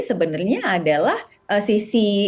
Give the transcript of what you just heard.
sebenarnya adalah sisi